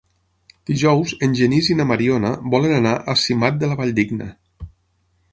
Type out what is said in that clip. Dijous en Genís i na Mariona volen anar a Simat de la Valldigna.